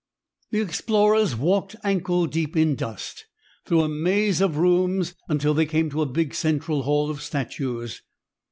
The explorers walked ankle deep in dust through a maze of rooms until they came to a big central hall of statues.